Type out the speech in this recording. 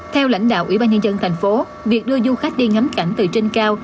theo lãnh đạo ủy ban nhân dân thành phố việc đưa du khách đi ngắm cảnh từ trên cao